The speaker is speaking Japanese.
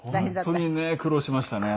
本当にね苦労しましたね